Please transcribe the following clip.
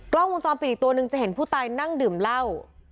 กล้องมุมซอมปิดอีกตัวนึงจะเห็นผู้ตายนั่งดื่มเล่า